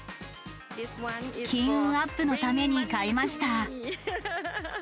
金運アップのために買いました。